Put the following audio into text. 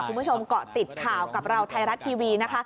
คุณผู้ชมเกาะติดข่าวกับเราไทยรัฐทีวีนะคะ